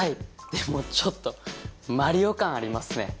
でもちょっとマリオ感ありますね。